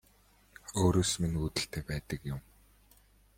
Өөрөөс минь үүдэлтэй байдаг юм